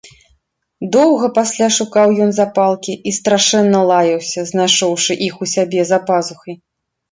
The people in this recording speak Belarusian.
Доўга пасля шукаў ён запалкі і страшэнна лаяўся, знайшоўшы іх у сябе за пазухай.